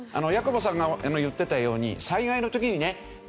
矢久保さんが言ってたように災害の時にね